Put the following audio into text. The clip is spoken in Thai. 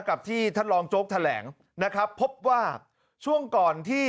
กับที่ท่านรองโจ๊กแถลงนะครับพบว่าช่วงก่อนที่